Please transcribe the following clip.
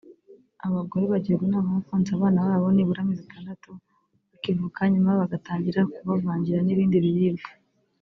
Abagore bagirwa inama yo konsa abana babo nibura amezi atandatu bakivuka nyuma bagatangira kubavangira n’ibindi biribwa